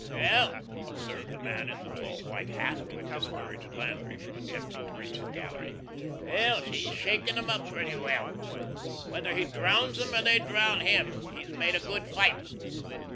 "Well," observed the man in the tall white hat, who had discouraged Landry from attempting to reach the gallery, "well, he's shaken 'em up pretty well. Whether he downs 'em or they down him, he's made a good fight."